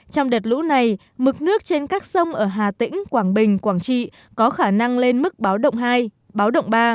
trong đợt lũ này mực nước trên các sông ở hà tĩnh quảng bình quảng trị có khả năng lên mức báo động hai báo động ba